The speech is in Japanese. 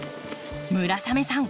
村雨さん